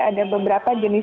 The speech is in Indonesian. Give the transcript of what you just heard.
ada beberapa jenis pes